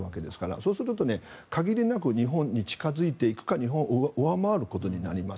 そうすると限りなく日本に近付いていくか日本を上回ることになります。